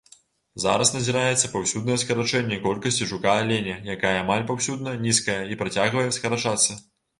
Зараз назіраецца паўсюднае скарачэнне колькасці жука-аленя, якая амаль паўсюдна нізкая і працягвае скарачацца.